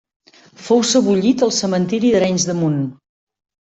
Fou sebollit al cementiri d'Arenys de Munt.